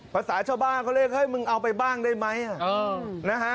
เขาเรียกให้มึงเอาไปบ้างได้ไหม